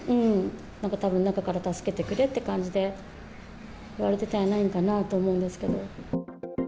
なんかたぶん、中から助けてくれって感じで、言われてたのではないかなと思いますが。